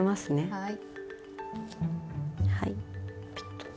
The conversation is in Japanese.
はい。